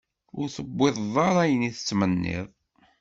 Ur tewwiḍeḍ ara ayen i tettmenniḍ.